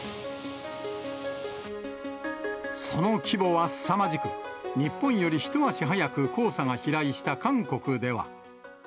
その規模はすさまじく、日本より一足早く黄砂が飛来した韓国では。